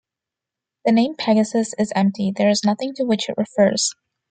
The name "Pegasus" is empty; there is nothing to which it refers.